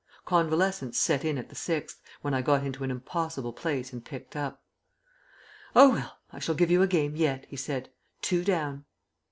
Convalescence set in at the sixth, when I got into an impossible place and picked up. "Oh, well, I shall give you a game yet," he said. "Two down."